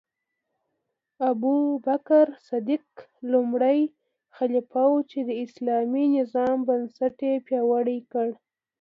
ابوبکر صدیق لومړی خلیفه و چې د اسلامي نظام بنسټ یې پیاوړی کړ.